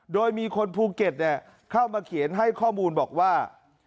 โดยมีคนภูเก็ตเข้ามาเขียนให้ข้อมูลบอกว่า